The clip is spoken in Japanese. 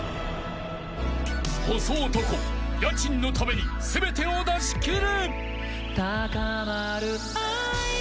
［細男家賃のために全てを出しきる］